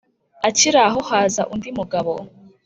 akiraho haza undi mugabo